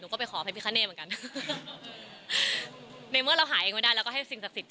หนูก็ไปขอพระพิกคะเนธเหมือนกัน